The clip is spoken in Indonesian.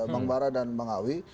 bang bara dan bang awi